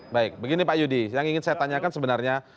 baik begini pak yudi yang ingin saya tanyakan sebenarnya